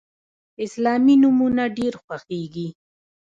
اسلامي نومونه ډیر خوښیږي.